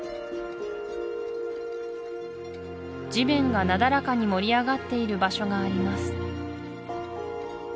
地面がなだらかに盛り上がっている場所があります